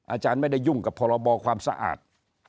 อาจารย์ไม่ได้ยุ่งกับพรบความสะอาด